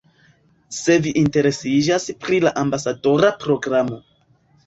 Se vi interesiĝas pri la ambasadora programo